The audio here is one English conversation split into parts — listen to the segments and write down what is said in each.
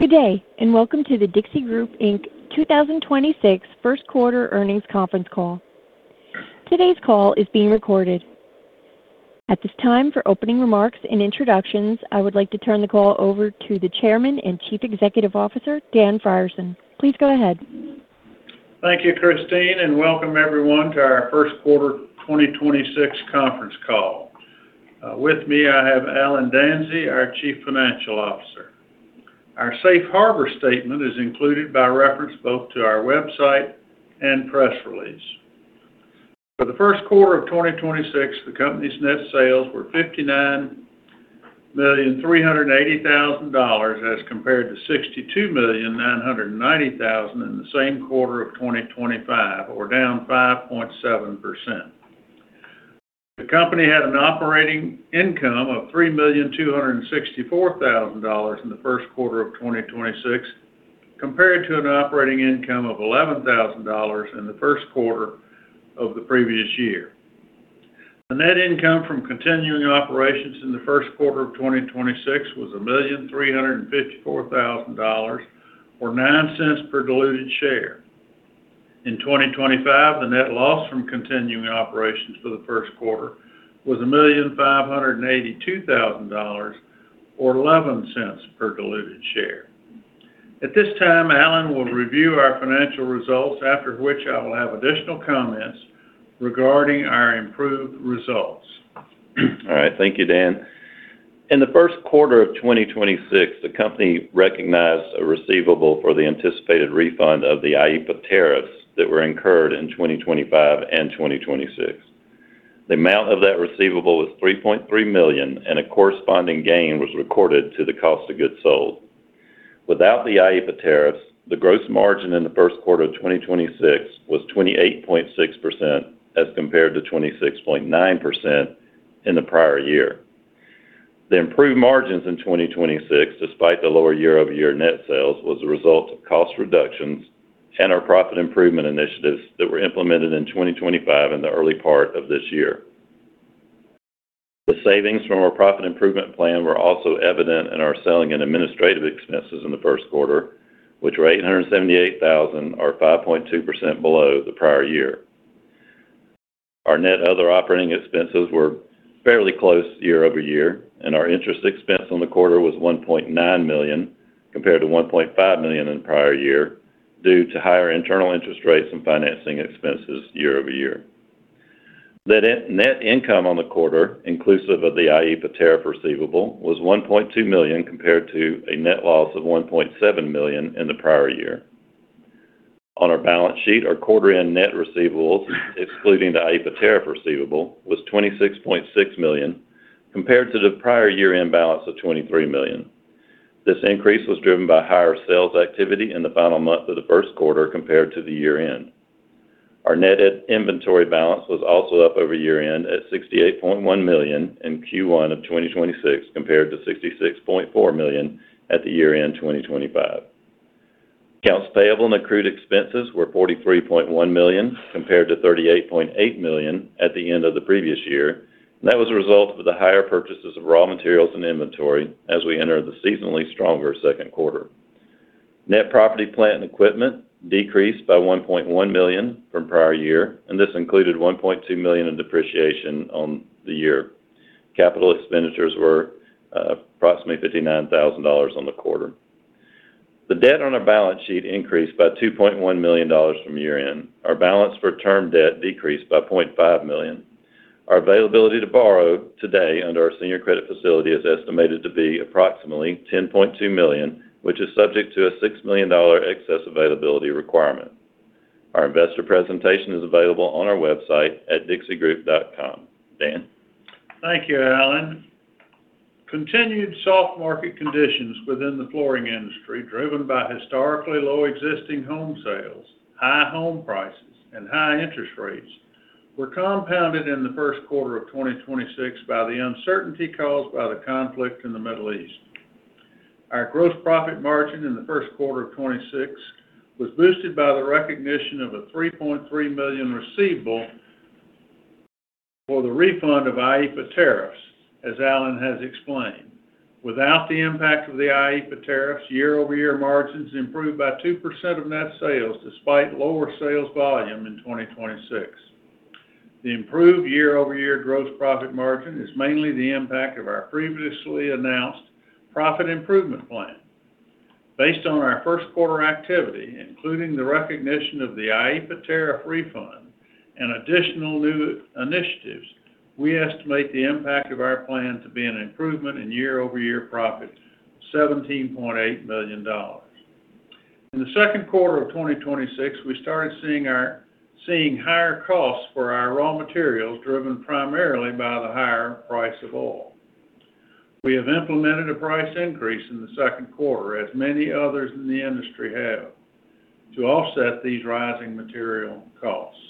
Good day, and welcome to The Dixie Group Inc. 2026 first quarter earnings conference call. Today's call is being recorded. At this time, for opening remarks and introductions, I would like to turn the call over to the Chairman and Chief Executive Officer, Dan Frierson. Please go ahead. Thank you, Christine, and welcome everyone to our first quarter 2026 conference call. With me, I have Allen Danzey, our Chief Financial Officer. Our safe harbor statement is included by reference both to our website and press release. For the first quarter of 2026, the company's net sales were $59,380,000 as compared to $62,990,000 in the same quarter of 2025, or down 5.7%. The company had an operating income of $3,264,000 in the first quarter of 2026, compared to an operating income of $11,000 in the first quarter of the previous year. The net income from continuing operations in the first quarter of 2026 was $1,354,000 or $0.09 per diluted share. In 2025, the net loss from continuing operations for the first quarter was $1,582,000 or $0.11 per diluted share. At this time, Allen will review our financial results, after which I will have additional comments regarding our improved results. All right. Thank you, Dan. In the first quarter of 2026, the company recognized a receivable for the anticipated refund of the IEEPA tariffs that were incurred in 2025 and 2026. The amount of that receivable was $3.3 million, and a corresponding gain was recorded to the cost of goods sold. Without the IEEPA tariffs, the gross margin in the first quarter of 2026 was 28.6% as compared to 26.9% in the prior year. The improved margins in 2026, despite the lower year-over-year net sales, was a result of cost reductions and our profit improvement initiatives that were implemented in 2025 and the early part of this year. The savings from our profit improvement plan were also evident in our selling and administrative expenses in the first quarter, which were $878,000 or 5.2% below the prior year. Our net other operating expenses were fairly close year-over-year, and our interest expense on the quarter was $1.9 million compared to $1.5 million in the prior year due to higher internal interest rates and financing expenses year-over-year. The net income on the quarter, inclusive of the IEEPA tariff receivable, was $1.2 million compared to a net loss of $1.7 million in the prior year. On our balance sheet, our quarter-end net receivables, excluding the IEEPA tariff receivable, was $26.6 million compared to the prior year-end balance of $23 million. This increase was driven by higher sales activity in the final month of the first quarter compared to the year-end. Our net at inventory balance was also up over year-end at $68.1 million in Q1 of 2026 compared to $66.4 million at the year-end 2025. Accounts payable and accrued expenses were $43.1 million compared to $38.8 million at the end of the previous year. That was a result of the higher purchases of raw materials and inventory as we enter the seasonally stronger second quarter. Net property, plant, and equipment decreased by $1.1 million from prior year. This included $1.2 million in depreciation on the year. Capital expenditures were approximately $59,000 dollars on the quarter. The debt on our balance sheet increased by $2.1 million dollars from year-end. Our balance for term debt decreased by $0.5 million. Our availability to borrow today under our senior credit facility is estimated to be approximately $10.2 million, which is subject to a $6 million excess availability requirement. Our investor presentation is available on our website at dixiegroup.com. Dan? Thank you, Allen. Continued soft market conditions within the flooring industry, driven by historically low existing home sales, high home prices, and high interest rates were compounded in the first quarter of 2026 by the uncertainty caused by the conflict in the Middle East. Our gross profit margin in the first quarter of 2026 was boosted by the recognition of a $3.3 million receivable for the refund of IEEPA tariffs, as Allen has explained. Without the impact of the IEEPA tariffs, year-over-year margins improved by 2% of net sales despite lower sales volume in 2026. The improved year-over-year gross profit margin is mainly the impact of our previously announced profit improvement plan. Based on our first quarter activity, including the recognition of the IEEPA tariff refund and additional new initiatives, we estimate the impact of our plan to be an improvement in year-over-year profit, $17.8 million. In the second quarter of 2026, we started seeing higher costs for our raw materials, driven primarily by the higher price of oil. We have implemented a price increase in the second quarter, as many others in the industry have, to offset these rising material costs.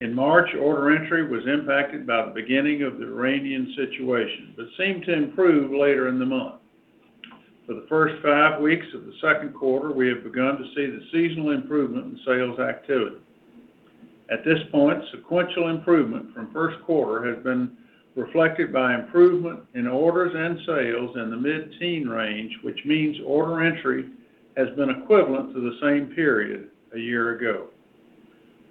In March, order entry was impacted by the beginning of the Iranian situation, but seemed to improve later in the month. For the first five weeks of the second quarter, we have begun to see the seasonal improvement in sales activity. At this point, sequential improvement from first quarter has been reflected by improvement in orders and sales in the mid-teen range, which means order entry has been equivalent to the same period a year ago.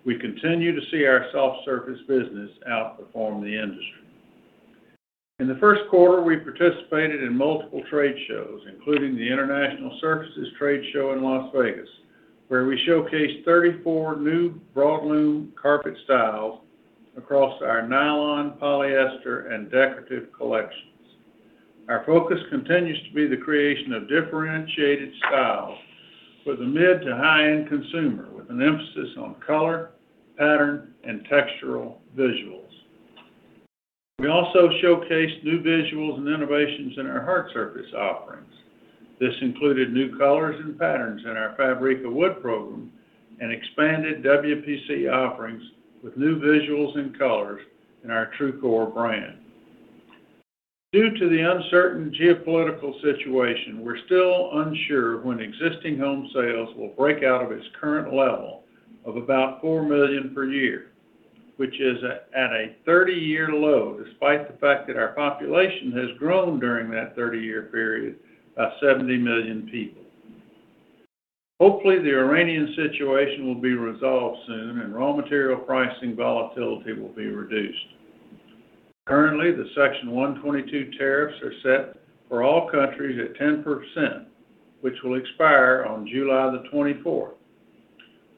We continue to see our soft surface business outperform the industry. In the first quarter, we participated in multiple trade shows, including the International Surfaces Trade Show in Las Vegas, where we showcased 34 new broadloom carpet styles across our nylon, polyester, and decorative collections. Our focus continues to be the creation of differentiated styles for the mid to high-end consumer, with an emphasis on color, pattern, and textural visuals. We also showcased new visuals and innovations in our hard surface offerings. This included new colors and patterns in our Fabrica wood program and expanded WPC offerings with new visuals and colors in our TruCor brand. Due to the uncertain geopolitical situation, we're still unsure when existing home sales will break out of its current level of about 4 million per year, which is at a 30-year low, despite the fact that our population has grown during that 30-year period by 70 million people. Hopefully, the Iranian situation will be resolved soon and raw material pricing volatility will be reduced. Currently, the Section 122 tariffs are set for all countries at 10%, which will expire on July 24th.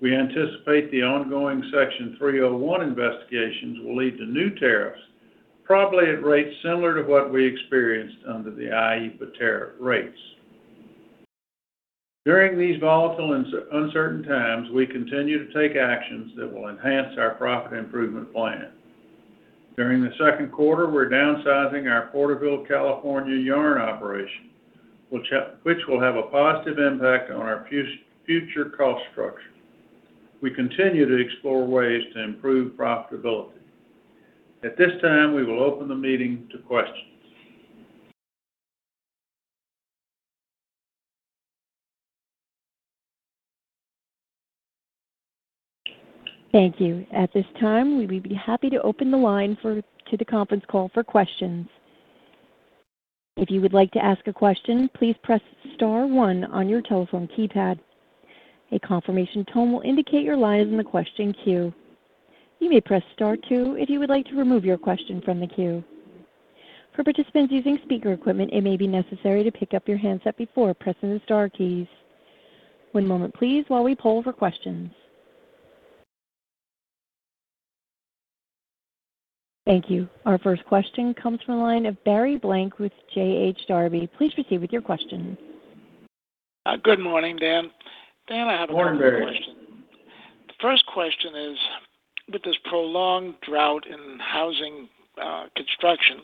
We anticipate the ongoing Section 301 investigations will lead to new tariffs, probably at rates similar to what we experienced under the IEEPA tariff rates. During these volatile and uncertain times, we continue to take actions that will enhance our profit improvement plan. During the second quarter, we're downsizing our Porterville, California yarn operation, which will have a positive impact on our future cost structure. We continue to explore ways to improve profitability. At this time, we will open the meeting to questions. Thank you. Our first question comes from the line of Barry Blank with J.H. Darbie. Please proceed with your question. Good morning, Dan. Dan, I have a couple questions. Morning, Barry. The first question is, with this prolonged drought in housing, construction,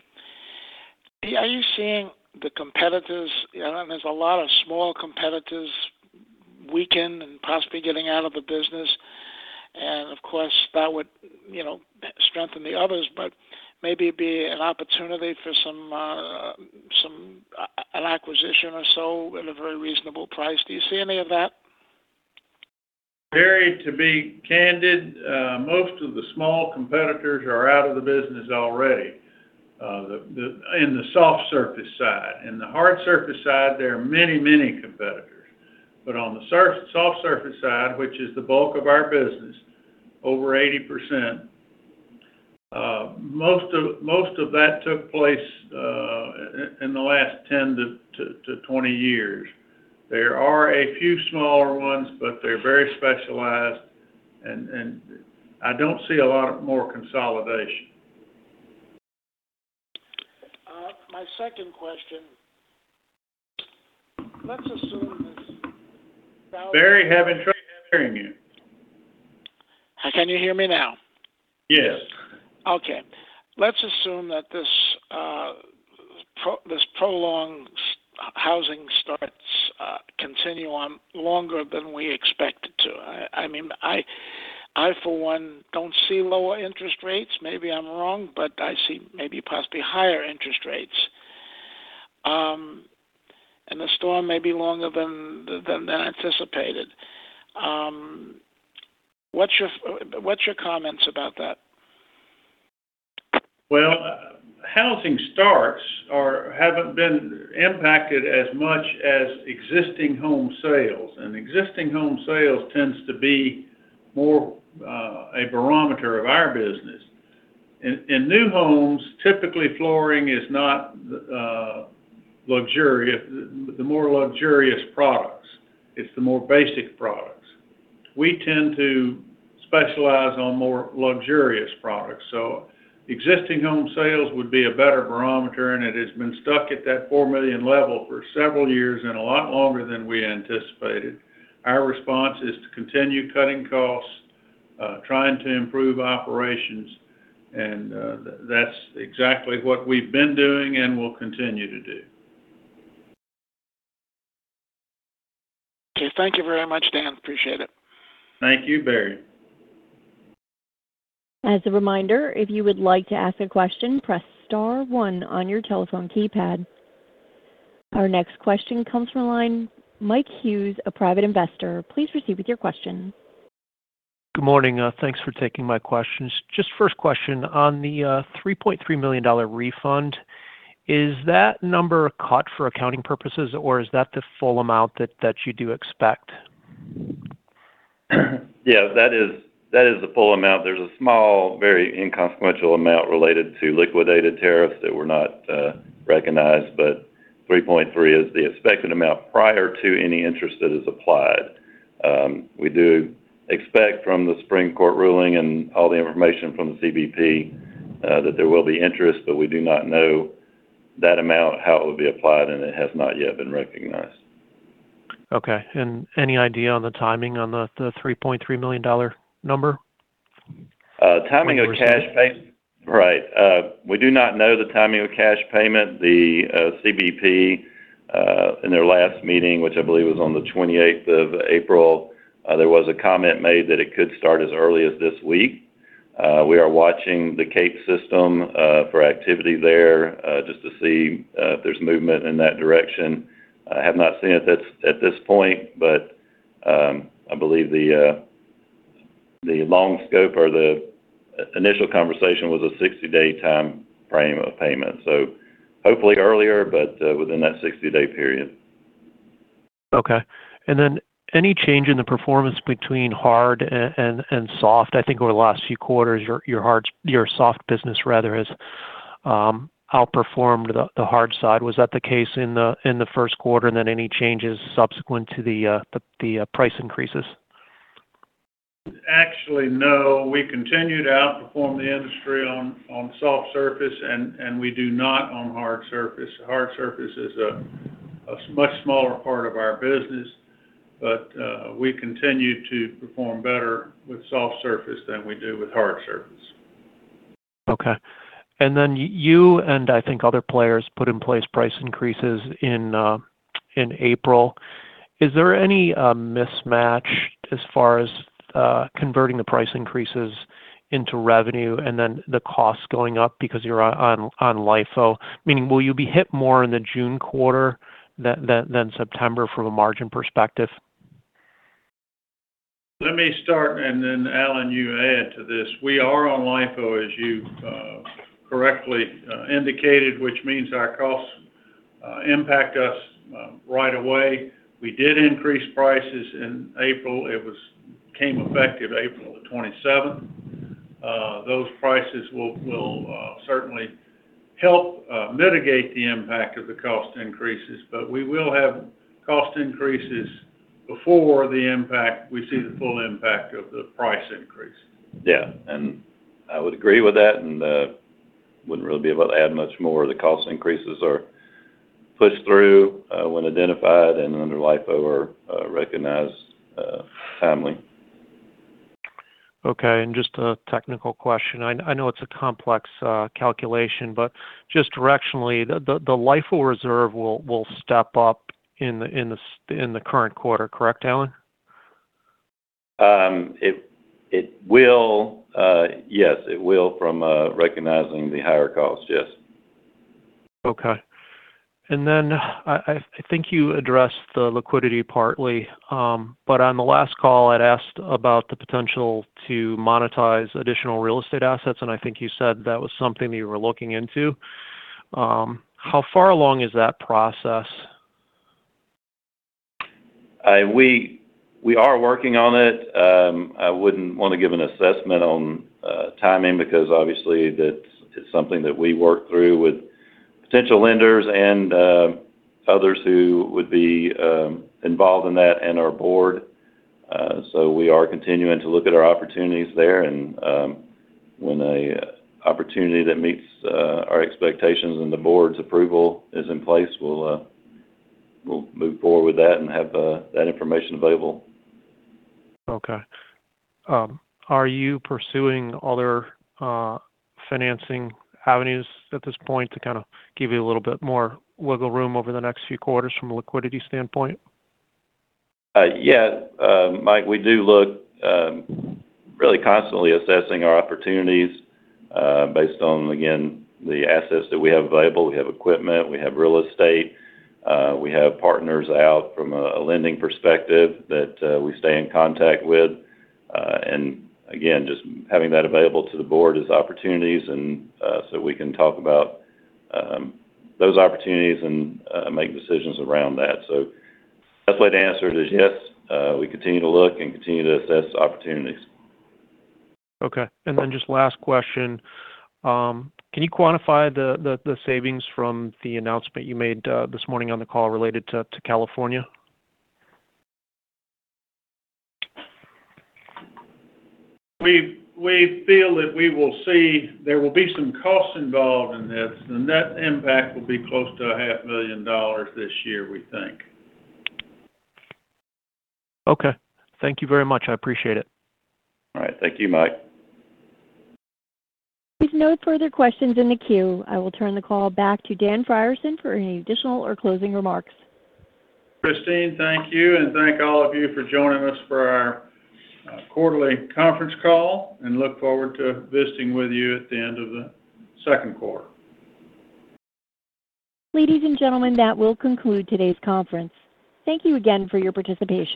are you seeing the competitors, you know, and there's a lot of small competitors weaken and possibly getting out of the business? Of course, that would, you know, strengthen the others, but maybe be an opportunity for some an acquisition or so at a very reasonable price. Do you see any of that? Barry, to be candid, most of the small competitors are out of the business already, in the soft surface side. In the hard surface side, there are many competitors. On the soft surface side, which is the bulk of our business, over 80%, most of that took place in the last 10 to 20 years. There are a few smaller ones, they're very specialized and I don't see a lot more consolidation. My second question. Barry, having trouble hearing you. Can you hear me now? Yes. Okay. Let's assume that this prolonged housing starts continue on longer than we expect it to. I mean, I for one, don't see lower interest rates. Maybe I'm wrong, but I see maybe possibly higher interest rates. The storm may be longer than anticipated. What's your comments about that? Well, housing starts haven't been impacted as much as existing home sales, and existing home sales tends to be more, a barometer of our business. In new homes, typically flooring is not luxurious, the more luxurious products. It's the more basic products. We tend to specialize on more luxurious products. Existing home sales would be a better barometer, and it has been stuck at that $4 million level for several years and a lot longer than we anticipated. Our response is to continue cutting costs, trying to improve operations, and that's exactly what we've been doing and will continue to do. Okay. Thank you very much, Dan. Appreciate it. Thank you, Barry. As a reminder, if you would like to ask a question, press star one on your telephone keypad. Our next question comes from line, Mike Hughes, Private Investor. Please proceed with your question. Good morning. Thanks for taking my questions. Just first question, on the $3.3 million refund, is that number cut for accounting purposes, or is that the full amount that you do expect? Yeah, that is, that is the full amount. There's a small, very inconsequential amount related to liquidated tariffs that were not recognized, but $3.3 is the expected amount prior to any interest that is applied. We do expect from the Supreme Court ruling and all the information from the CBP that there will be interest, but we do not know that amount, how it would be applied, and it has not yet been recognized. Okay. Any idea on the timing on the $3.3 million number? Uh, timing of cash pay- When we're seeing it. We do not know the timing of cash payment. The CBP in their last meeting, which I believe was on the 28th of April, there was a comment made that it could start as early as this week. We are watching the ACE System for activity there, just to see if there's movement in that direction. I have not seen it at this point, but I believe the long scope or the initial conversation was a 60-day time frame of payment. Hopefully earlier, but within that 60-day period. Okay. Then any change in the performance between hard and soft? I think over the last few quarters, your soft business rather has outperformed the hard side. Was that the case in the first quarter? Then any changes subsequent to the price increases? Actually, no. We continue to outperform the industry on soft surface, and we do not on hard surface. Hard surface is a much smaller part of our business, but we continue to perform better with soft surface than we do with hard surface. Okay. Then you and I think other players put in place price increases in April. Is there any mismatch as far as converting the price increases into revenue and then the costs going up because you're on LIFO? Meaning, will you be hit more in the June quarter than September from a margin perspective? Let me start and then, Allen, you add to this. We are on LIFO, as you correctly indicated, which means our costs impact us right away. We did increase prices in April. It was came effective April the 27th. Those prices will certainly help mitigate the impact of the cost increases, but we will have cost increases before the impact, we see the full impact of the price increase. Yeah. I would agree with that and wouldn't really be able to add much more. The cost increases are pushed through when identified and under LIFO are recognized timely. Okay. Just a technical question. I know it's a complex calculation, but just directionally, the LIFO reserve will step up in the current quarter, correct, Allen? It will, yes, it will from recognizing the higher cost. Yes. Okay. I think you addressed the liquidity partly. On the last call, I'd asked about the potential to monetize additional real estate assets, and I think you said that was something you were looking into. How far along is that process? We are working on it. I wouldn't wanna give an assessment on timing because obviously that's, it's something that we work through with potential lenders and others who would be involved in that and our board. We are continuing to look at our opportunities there and when a opportunity that meets our expectations and the board's approval is in place, we'll move forward with that and have that information available. Okay. Are you pursuing other financing avenues at this point to kind of give you a little bit more wiggle room over the next few quarters from a liquidity standpoint? Yeah. Mike, we do look, really constantly assessing our opportunities, based on, again, the assets that we have available. We have equipment, we have real estate, we have partners out from a lending perspective that we stay in contact with. Again, just having that available to the board as opportunities and so we can talk about those opportunities and make decisions around that. The best way to answer it is yes, we continue to look and continue to assess opportunities. Okay. Just last question. Can you quantify the savings from the announcement you made this morning on the call related to California? We feel that we will see there will be some costs involved in this. The net impact will be close to a half million dollars this year, we think. Okay. Thank you very much. I appreciate it. All right. Thank you, Mike. There's no further questions in the queue. I will turn the call back to Dan Frierson for any additional or closing remarks. Christine, thank you, and thank all of you for joining us for our quarterly conference call, and look forward to visiting with you at the end of the second quarter. Ladies and gentlemen, that will conclude today's conference. Thank you again for your participation.